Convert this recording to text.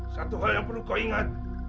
satu hal yang perlu kau ingat